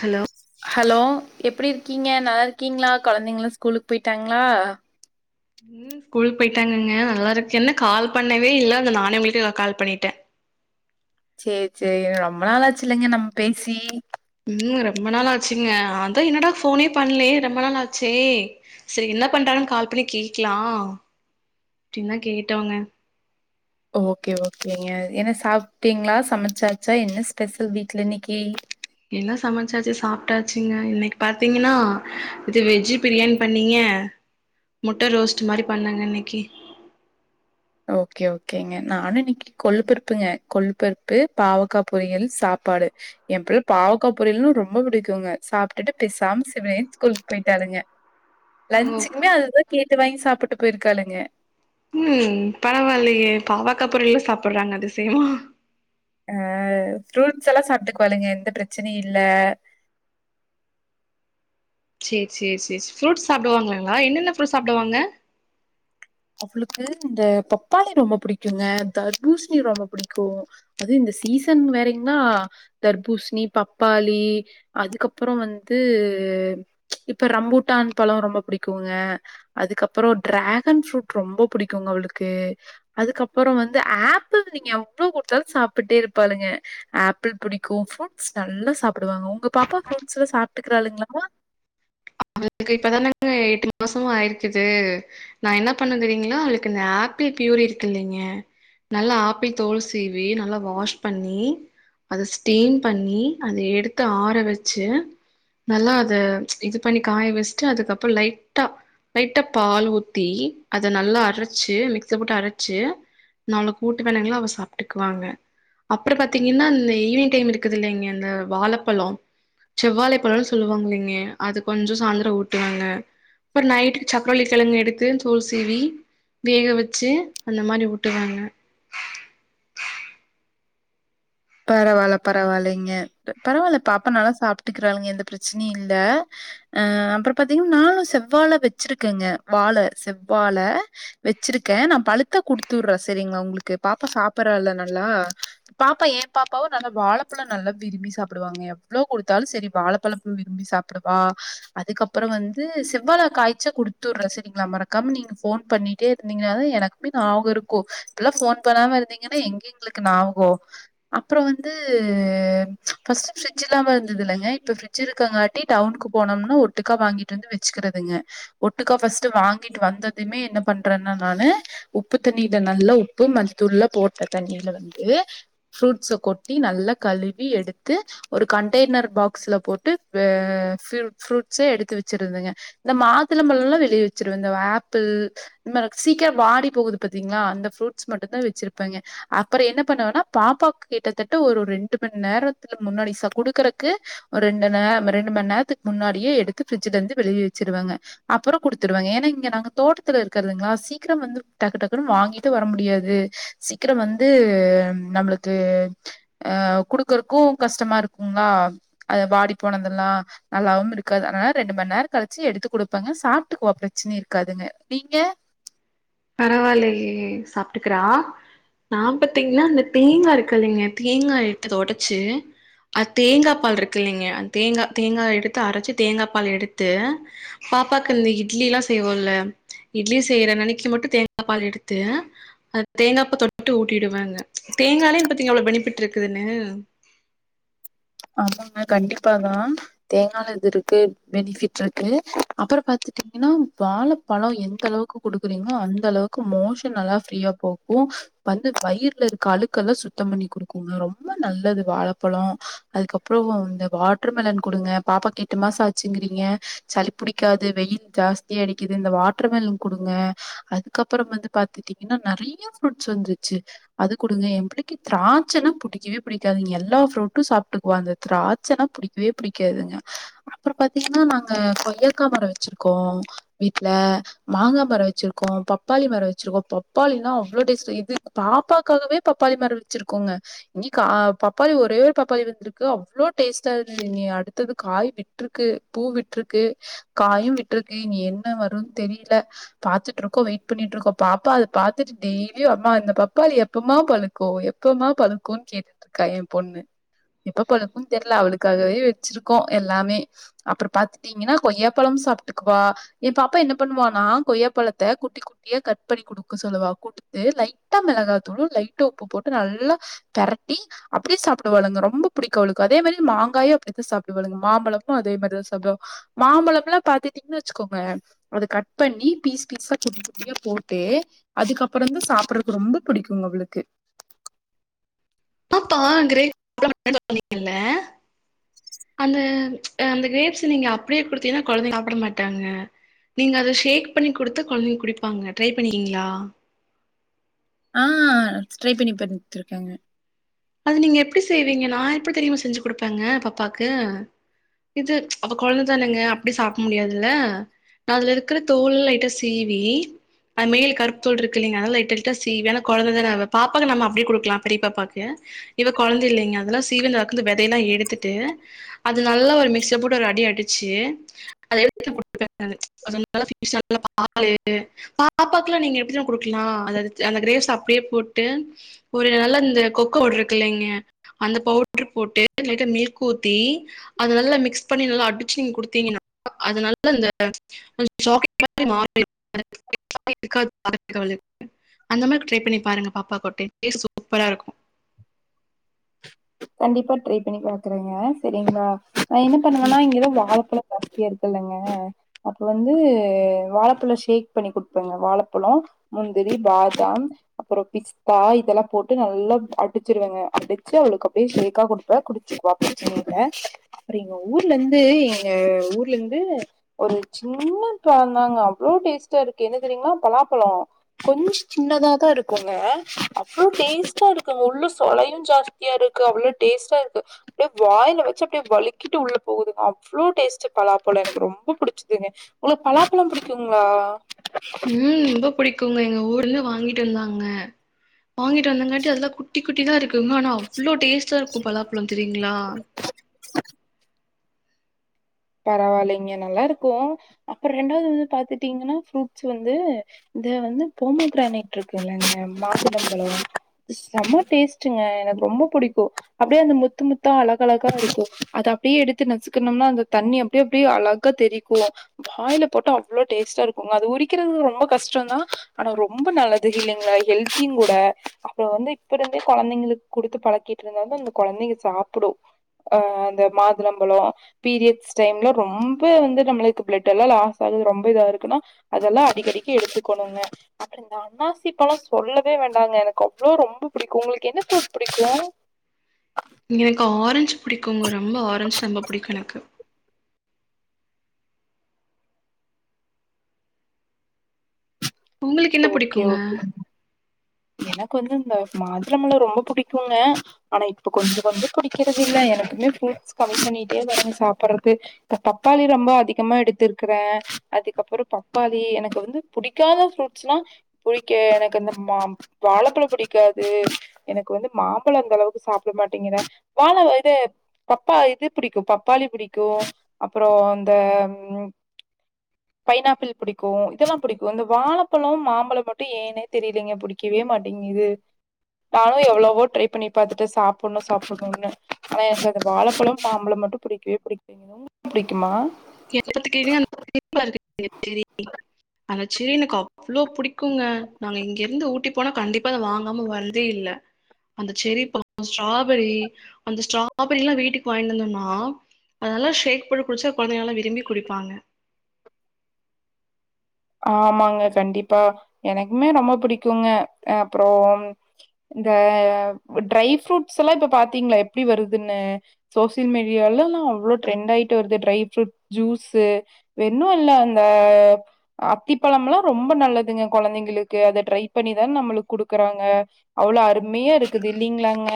Hello hello எப்டி இருக்கீங்க நல்லா இருக்கீங்ளா கொழந்தைங்ளா ஸ்கூலுக் போய்ட்டாங்ளா ம் ஸ்கூல் போய்ட்டாங்கங்க நல்லா இருக்க என்ன கால் பண்ணவே இல்ல அத நானே உங்களுக்கு கால் பண்ணிட்டே சேர் சேரி ரொம்ப நாளாச்சில்லங்க நம் பேசி ம் ரொம்ப நாள் ஆச்சுங்க அதா என்னடா ஃபோனே பண்லயே ரொம்ப நாள் ஆச்சே செரி என்ன பண்றாங்கன் கால் பண்ணி கேக்லா அப்டின் தா கேட்டவ்ங்க ஓகே ஓகேங்க எ என்ன சாப்ட்டீங்ளா சமச்சாச்சா என்ன ஸ்பெஸல் வீட்ல இன்னைக்கி ன்ன சமைச்சாச்சு சாப்ட்டாச்சுங்க இன்னைக் பாத்தீங்கன்னா இது வெஜ்ஜி பிரியாணி பண்ணீங்க முட்ட ரோஸ்ட்டு மாரி பண்ணங்க இன்னைக்கி ஓகே ஓகேங்க நானு இன்னைக்கு கொள்ளுபருப்புங்க கொள்ளு பருப்பு பாவக்கா பொரியல் சாப்பாடு எ பிள்ள பாவக்கா பொரியல்ன்னு ரொம்போ புடிக்குங்க சாப்ட்டுட்டு பெசாம சிவனேன் ஸ்கூலுக் போய்ட்டாளுங்க ஓ லஞ்சுக்குமே அதுதா கேட்டு வாங்கி சாப்புட்டு போயிருக்காளுங்க ம் பரவாயில்லயே பாவக்கா பொரியில்லா சாப்புறாங்க அதிசியமா அ ஃப்ரூட்ஸ் எல்லா சாப்ட்டுக்குவாளுங்க எந்த ப்ரெச்சனையு இல் சேர் சேர் சேர் ஃப்ரூட்ஸ் சாப்டுவாங்ளாங்ளா என்னென்ன ஃப்ரூட்ஸ் சாப்டுவாங்க அவுளுக்கு இந்த பப்பாளி ரொம்ப புடிக்குங்க தர்பூச்ணி ரொம்ப புடிக்கு அது இந்த சீசன் வேறெய்ங்லா தர்பூச்ணி பப்பாளி அதுக்கப்புறோ வந்து இப்ப ரம்பூட்டான் பழோ ரொம்ப புடிக்குங்க அதுக்கப்புறோ டிராகன் ஃப்ரூட் ரொம்ப புடிக்குங்க அவுளுக்கு அதுக்கப்புறோ வந்து ஆப்பிள் நீங்க எவ்ளோ குட்த்தாலு சாப்பிட்டே இருப்பாளுங்க ஆப்பிள் புடிக்கு ஃப்ரூட்ஸ் நல்லா சாப்டுவாங்க உங்க பாப்பா ஃப்ரூட்ஸ்லா சாப்ட்டுக்றாளுங்ளாமா அவளுக்கு இப்பதானங்க எட்டு மாசோ ஆயிருக்குது நா என்ன பண்வே தெரியுங்ளா அவளுக்கு ந ஆப்பிள் ப்யூரி இருக்கு இல்லைங்க நல்லா ஆப்பிள் தோள் சீவி நல்லா வாஷ் பண்ணி அத ஸ்டீம் பண்ணி அத எடுத்து ஆற வெச்சு நல்லா அத இது பண்ணிட் காய வெஸ்ட்டு அதுக்கப்புற லைட்டா லைட்டா பால் ஊத்தி அத நல்லா அரச்சு மிக்ஸ்ல போட்டு அரச்சு நல்ல கூட்டு கணங்ளா அவ சாப்ட்டுக்வாங்க அப்புற பாத்தீங்கின்னா இந்த ஈவினிங் டைம் இருக்குது இல்லிங்க இந்த வாழப்பழோ செவ்வாழை பழோன் சொல்வாங்கில்லைங்க அது கொஞ்சோ சாய்ந்திரோ ஊட்டுவேங்க அப்புற் நைட்டுக்கு சக்ரவள்ளிக்கெழங் எடுத்து தோள் சீவி வேக வெச்சு அந்த மாரி ஊட்டுவேங்க பரவால பரவாலைங்க ர பரவால்ல பாப்பா நல்லா சாப்ட்டுக்குறாளங் எந்த ப்ரெச்னியு இல்ல அ அப்புற பாத்தீங்ன் நானு செவ்வாழ வெச்சிருக்கேங்க வாழ செவ்வாழ வெச்சிருக்கே நா பழுத்தா குடுத்துட்றே செரிங்கலா உங்குளுக்கு பாப்பா சாப்பறால நல்லா பாப்பா ஏ பாப்பாவு நல்லா வாழப்பழம் நல்லா விரும்பி சாப்புடுவாங்க எவ்ளோ குடுத்தாலு சரி வாழப்பழத்த விரும்பி சாப்டுவா அதுக்கப்பறோ வந்து செவ்வாழ காய்ச்சா குடுத்துடுறே சரிங்களா மறக்காம நீங்க ஃபோன் பண்ணிட்டே இருந்தீங்கனாதா எனக்குமே ஞாவகம் இருக்கு இப்பல்லா ஃபோன் பண்ணாம இருந்தீங்கன்னா எங்க எங்களுக்கு ஞாவகோ அப்புறோ வந்து ஃபஸ்ட்டு ஃப்ரிட்ஜ்ல்லாம இருந்துதுல்லங்க இப்ப ஃப்ரிட்ஜ் இருக்கங்காட்டி டவுனுக்கு போனோம்னா ஒட்டுக்கா வாங்கிட்டு வந்து வச்சுக்கறதுங்க ஒட்டுக்கா ஃபர்ஸ்ட்டு வாங்கிட்டு வந்ததுமே என்ன பண்றேன்னா நானு உப்பு தண்ணில நல்ல உப்பு மஞ்சதூள்ளா போட்ட தண்ணில வந்து ஃப்ரூட்ஸ கொட்டி நல்லா கழுவி எடுத்து ஒரு கண்டெய்னர் பாக்ஸ்ல போட்டு அ ஃப்ரூட்ஸ எடுத்து வச்சிருந்துங்க இந்த மாதுளம்பழம்லா வெளிய வச்சுருவே இந்த ஆப்பிள் இந் மாரி சீக்கிரோ வாடி போகுது பாத்தீங்களா அந்த ஃப்ரூட்ஸ் மட்டும் தா வச்சுருப்பேங்க அப்பறம் என்ன பண்ணுவேன்னா பாப்பாக்கு கிட்டத்தட்ட ஒரு ரெண்டு மண் நேரத்துல முன்னாடி ச குடுக்கறக்கு ஒரு ரெண்டு நேர ரெண்டு மண் நேரத்துக்கு முன்னாடியே எடுத்து ஃப்ரிட்ஜலேருந்து வெளிய வச்சுடுவேங்க அப்புறம் குடுத்துருவேங்க ஏன்னா இங்க நாங்க தோட்டத்துல இருக்குறங்களா சீக்கிரம் வந்து டக்கு டக்குன்னு வாங்கிட்டு வர முடியாது சீக்கிரம் வந்து நம்மளுக்கு அஹ் குடுக்குறக்கு கஷ்டமா இருக்குங்களா அத வாடி போனதுல்லா நல்லாவும் இருக்காது அதனால ரெண்டு மண் நேரம் கழிச்சி எடுத்து குடுப்பேங்க சாப்ட்டுகுவோ பிரச்சனை இருக்காதுங்க நீங்க பரவால்லயே சாப்ட்டுக்குறா நா பாத்தீங்கன்னா இந்த தேங்கா இருக்குல்லைங்க தேங்கா எடுத்து அத ஒடைச்சி அத் தேங்கா பால் இருக்கு இல்லைங்க அந் தேங்கா தேங்கா எடுத்து அரச்சு தேங்கா பால் எடுத்து பாப்பாக்கு இந்த இட்லிலா செய்வோம்ல இட்லி செய்யற நெனைக்கு மட்டு தேங்கா பால் எடுத்து அ தேங்காப்ப தொட்டு ஊட்டிடுவேங்க தேங்காலே பத்தீங்க அவ்ளோ பெனிபிட் இருக்குதுன்னு ஆமாங்க கண்டிப்பாதா தேங்கால இது இருக்கு பெனிஃபிட்ருக்கு அப்புறோ பாத்துட்டீங்கன்னா வாழப்பழம் எந்தளவுக்கு குடுக்குறிங்களோ அந்த அளவுக்கு மோஷன் நல்லா ஃப்ரீயா போகும் வந்து வயர்ல இருக்க அழுக்கெல்லா சுத்தம் பண்ணி குடுக்குங்க ரொம்ப நல்லது வாழப்பழம் அதுக்கப்புறோ இந்த வாட்ர் மிலன் குடுங்க பாப்பாக் எட்டு மாசம் ஆச்சிங்கிறீங்க சளி புடிக்காது வெயில் ஜாஸ்தியடிக்குது இந்த வாட்டர் மிலன் குடுங்க அதுக்கப்புறம் வந்து பாத்துட்டீங்கன்னா நெறைய ஃப்ரூட்ஸ் வந்துருச்சு அது குடுங்க என் புள்ளைக்கு திராட்சைன்னா புடிக்கவே புடிக்காதுங்க எல்லா ஃப்ரூட்டு சாப்ட்டு ஒ அந்த திராட்சைனா புடிக்கவே புடிக்காதுங்க அப்றம் பாத்தீங்கன்னா நாங்க கொய்யக்கா மரம் வச்சிருக்கோ வீட்டுல மாங்கா மரம் வச்சிருக்கோ பப்பாளி மரம் வச்சிருக்கோ பப்பாளின்னா அவ்ளோ டேஸ்ட் இது பாப்பாக்காகவே பப்பாளி மரம் வச்சிருக்கோங்க இனி கா பப்பாளி ஒரே ஒரு பப்பாளி இருந் க்கு அவ்ளோ டேஸ்டா இருந்துங்க அடுத்தது காய் விட்டுருக்கு பூ விட்டுருக்கு காயும் விட்டுருக்கு நீ என்ன வரும்ன் தெரியில பாத்துட்டுருக்கோ வெயிட் பண்ணிட்டுருக்கோபாப்பா அத பாத்து டெய்லியு அம்மா இந்த பப்பாளி எப்பமா பழுக்கு எப்பமா பழுக்குன் கேட்டுட்டு இருக்கா எ பொண்ணு எப்ப பழுக்கும்னு தெர்ல அவளுக்காகவே வச்சிருக்கோ எல்லாமே அப்புறோ பாத்துட்டீங்கன்னா கொய்யாப்பழம் சாப்ட்டுக்குவா என் பாப்பா என்ன பண்ணுவானா கொய்யாப்பழத்த குட்டி குட்டியா கட் பண்ணி குடுக்க சொல்லுவா குடுத்து லைட்டா மெளகாத்துளு லைட்டா உப்பு போட்டு நல்லா பெரட்டி அப்டியே சாப்டுவளுங்க ரொம்ப புடிக்கு அவளுக்கு அதே மாரி மாங்காய அப்டித்தா சாப்டுவாளுங்க மாம்பழமு அதே மாரிதா சாப்டுவாங்க மாம்பழம்ல்லா பாத்துட்டீங்கன்னு வச்சுக்கோங்க அத கட் பண்ணி பீஸ் பீஸா குட்டி குட்டியா போட்டு அதுகப்ரோந்தா சாப்டுறக்கு ரொம்ப புடிக்குங்க அவளுக்கு ஆ கிரே ல்ல அந்த அந்த கிரெப்ஸ் நீங்க அப்டியே குடுதிங்கனா கொழைந்தைங்க சாப்ட மாட்டங்கங்க நீங்க அத ஷேக் பண்ணி குடுத்தா கொழைந்தைங்க குடிப்பாங்க ட்ரை பண்ணிருகிங்களா ஆ ட்ரை பண்ணி பாத்துருக்கேங்க அது நீங்க எப்டி செய்வீங்க நா எப்டி தெரியுமா செஞ்சு குடுப்பேங்க பாப்பாக்கு இது அப்ப கொழந்தனங்க அப்டி சாப்ட முடியாதுல்ல நான் அதுல இருக்குற தோல் லையிட்டா சீவி அது மேல் கருப் தோல் இருக்கு இல்லைங்க அதுலா லைட் லைட்டா சீவி ஆனா கொழந்த தான அவ பாப்பாக்கு நம்ம அப்டியே குடுக்கலா பெரிய பாப்பாக்கு [unintelligible] இவ கொழந்த இல்லங்க அதல்லா சீவி அந்த வேதயெல்லா எடுத்துட்டு அது நல்ல ஒரு மிக்சில போட்டு ஒரு அடி அடிச்சி அத பாபாக்குலா நீங்க எப்டி தெரியுமா குடுக்களா அது அந்த கிரேப்ஸ் அப்டியே போட்டு ஒரு நல்ல இந்த பவுடரு இருக்கு இலைங்க அந்த பவுடர் போட்டு லைட்டா மில்க் ஊத்தி அத நல்லா மிக்ஸ் பண்ணி நல்லா அடிச்சு குடுதிங்கன்னா அது நல்லா அந்த சாக்லெட் மாரி ட்ரை பண்ணி பாருங்க பாப்பாக்கு ஒரு டைம் டேஸ்ட் சூப்பரா இருக்கும் கண்டிப்பா ட்ரை பண்ணி பாக்குறேங்க சரிங்களா நான் என்ன பண்ணுவன்னா இங்க எது வாழப்பழோ [unintelligible] இருக்குல்லங்க அப்ப வந்து வாழப்பழோ ஷேக் பண்ணி குடுப்பங்க வாழப்பழோ முந்திரி பாதாம் அப்புறோ பிஸ்தா இதெல்லா போட்டு நல்லா அடிச்சுருவேங்க அடிச்சு அவுளுக் அப்டிசேக்கா குடுப்பே குடிச்சுவாக் பிரச்சினை இல்ல அப்ரீங்கோ ஊர்லிந்து எங்க ஊர்ல இருந்து ஒரு சின்ன பழந்தாங்க அவ்ளோ டேஸ்டா இருக்கு என்ன தெரியுங்குலா பலாப்பழோ கொஞ்சு சின்னதாத இருக்குங்கா அவ்ளோ டேஸ்டா இருக்குங்க உள்ள சொளையு ஜாஸ்தியா இருக் க்கு அவ்வுளோ டேஸ்டா இருக்கு அப்டியே வாயில வெச்சு அப்டியே வலிக்கிட்டு உள்ள போகுதுங்க அவ்வுளோ டேஸ்ட் பலாப்பழ எனக் ரொம்ப புடுச்சதுங்க உங்குளுக்கு பலாப்பழோ புடிக்குங்களா உம் ரொம்ப புடிக்குங்க எங்க ஊர்ல வாங்கிட்டு வந்தாங்க வாங்கிட்டு வந்தங்காட்டி அதெல்லா குட்டி குட்டி தா இருக் க்குங்க அனா அவ்வுளோ டேஸ்ட்டா இருக்கு பலாப்பழோ தெரியுங்களா பரவாலிங்க நல்லா இருக்கு அப்புற ரெண்டாவது வந்து பாத்துட்டீங்கன்னா ஃப்ரூட்ஸ் வந்து இந்த வந்து போமோ பிரானிட் இருக்குல்லங்க [unintelligible] செம டேஸ்டுங்க எனக் ரொம்ப பிடிக்கு அப்டியே அந்த முத்து முத்தா அழக அழகா இருக்கு அத அப்டியே எடுத்து நசுக்கணும்னா அந்த தண்ணி அப்டி அப்டியே அழகா தெரிக்கு வாயில போட்டு அவ்ளோ டேஸ்ட்டா இருக்குங்க அது உரிக்கிறது ரொம்ப கஷ்டோதா அனா ரொம்ப நல்லது இல்லைங்குள ஹெல்த்தியு கூட அப்புற வந்து இப்ப இருந்தே கொழந்தைங்களுக் குடுத்து பழக்கிட்டு இருந்தாத அந்த கொழந்திங்க சாப்புடு ஆ அந்த மாதுளம்பழோ பீரிய ஸ் டைம்ல ரொம்ப வந்து நம்ளுக் பிளட் எல்லா லாஸ் ஆகுது ரொம்ப இதா இருக்குன்னா அதுலா அடிக்கடிக்க எடுத்துக்கோணுங்க அப்புறோ இந்த அண்ணாசி பழோ சொல்லவே வேண்டாங்க எனக் அவ்ளோ ரொம்ப பிடிக்கு உங்குளுக்கு என்ன ஃப்ருட்ஸ் பிடிக்கு எனக் ஆரஞ்சு புடிக்குங்க ரொம்ப ஆரஞ்சு ரொம்ப புடிக்கு எனக்கு உங்குளுக் என்ன ஓகே புடிக்குங்க ஓகே எனக்கு வந்து இந்த மாதுளபழோ ரொம்ப புடிக்குங்க அனா இப்ப கொஞ்சு கொஞ்சு புடிக்கிறது இல்ல எனக்குமே ஃப்ரூட்ஸ் கம்மி பண்ணிட்டே வரங் சாப்புறது இப்ப பப்பாளி ரொம்ப அதிகமா எடுத்திருக்குற அதுக்கப்புறோ பப்பாளி எனக்கு வந்து புடிக்காத ஃப்ரூட்ஸ்னா புடிக்கே எனக் இந்த மா வாழப்பழ புடிக்காது எனக்கு வந்து மாம்பழம் அந்த அளவுக்கு சாப்பிட மாட்டிங்கிற வாழ இது பப்பா இது பிடிக்கு பப்பாளி புடிக்கு அப்புறோ இந்த பைனாப்பிள் பிடிக்கு இதெல்லா பிடிக்கு இந்த வாழப்பழோ மாம்பழோ மட்டு ஏன்னே தெரியலங்க புடிக் புடிக்கவே மாட்டிங்குது நானு எவுளோவோ ட்ரை பண்ணி பாத்துட்ட சாப்புட்ணு சாப்புட்ணும்னு அனா எனக் வாழப்பழம் மாம்புழம் மட்டு புடிக்கவே [inaudible] புடிக்குமா [unintelligible] அந்த செரி எனக் அவ்ளோ புடிக்குங்க நாங்க இங்கி இருந்து ஊட்டி போனா கண்டிப்பா அத வாங்காம வரதே இல்ல அந்த செரி பழோ ஸ்ட்ராபெரி அந்த ஸ்ட்ராபெரியில்லா வீட்டுக் வாங்கிட்டுந்தோன்னா அதெல்லா ஷேக் போட்டு குடிச்சா கொழந்தை ரும்பி குடிப்பாங்க ஆமாங்க கண்டிப்பா எனக்குமே ரொம்ப புடிக்குங்க அப்புறோ இந்த ட்ரை ஃப்ரூட்ஸ் எல்லா இப்ப பாத்தீங்களா எப்டி வருதுன்னு சோசியல் மீடியலால அவ்ளோ ட்ரெண்ட் ஆயிட்டு வருது டரைஃப்ரூட் ஜூஸ்சு வென்னு இல்ல அந்த அத்திப்பழம் எல்லா ரொம்ப நல்லதுங்க கொழந்திங்களுக்கு அத ட்ரை பண்ணிதான் நம்ளுக்கு குடுக்குறாங்க அவுளோ அருமையா இருக்குது இல்லிங்கலாங்க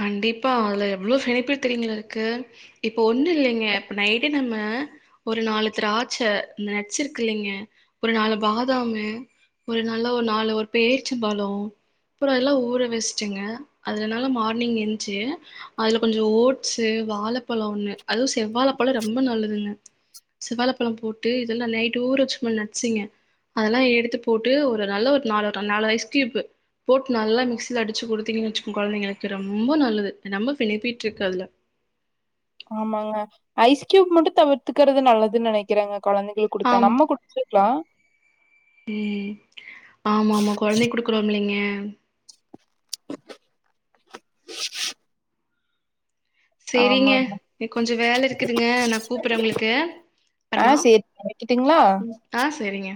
கண்டிப்பா அதுல எவ்ளோ ஃபெனிப்பில் தெரியுங்குள இருக்கு இப்ப ஒண்ணு இல்லைங்க இப்ப நைட்டே நம்ம ஒரு நாலு திராட்ச நட்ச்சு இருக்குலிங்க ஒரு நாலு பாதாமு ஒரு நல்லா ஒரு நாலு ஒரு பேர்ச்சம்பழோ அப்புறோல்லா ஊற வெஸ்ட்டுங்க அதுலனால மா நீங்க என்சு அதுல கொஞ்ச ஓட்ஸ்சு வாழப்பழோ ஒண்ணு அது செவ்வாழப்பழோ ரொம்ப நல்லதுங்க செவ்வாழப்பழோ போட்டு இதெல்லா நைட்டு ஊறச்சுமல்ல நட்சிங்கு அதெல்லா எடுத்து போட்டு ஒரு நல்ல ஒரு நாலர நால் ஐஸ்கியூபு போட்டு நல்லா மிக்சில அடிச்சு குடுத்தீங்கு வெச்சுங் கொழந்திங்களுக் கிற ரொம்ப நல்லது நம்ப ஃபெனுப்பிட்டு இருக்கு அதுல ஆமாங்க ஐஸ் கியூப் மட்டு தவிர்த்துக்கிறது நல்லதுன்னு நெனைக்கேறங்க கொழந்திகளுக் குடுத்தா நம்ம குடுச்சுக்குலா உம் ஆமா ஆமா கொழந்திக் குடுக்குறோம்லீங்க சேரிங்க ஆமாங்க. எனக் கொஞ்சோ வேல இருக்குதுங்க நா கூப்புறே உங்குளுக்கு ஆ அப்பர்மா சரி. வைக்கட்டுங்களா? ஆ சேரிங்க